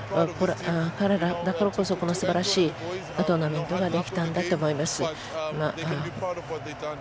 彼ら、だからこそすばらしいトーナメントができたんだと思います。